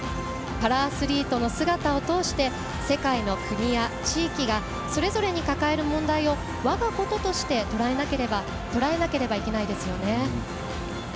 パラアスリートの姿を通して世界の国や地域がそれぞれに抱える問題をわがこととしてとらえなければいけないですよね。